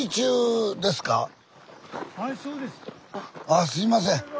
あすいません。